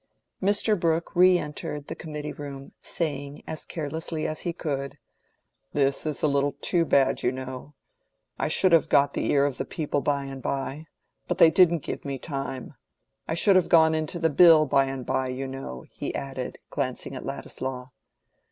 Mr. Brooke re entered the committee room, saying, as carelessly as he could, "This is a little too bad, you know. I should have got the ear of the people by and by—but they didn't give me time. I should have gone into the Bill by and by, you know," he added, glancing at Ladislaw.